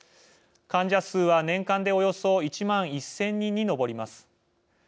患者数は年間でおよそ１万１０００人に上ります。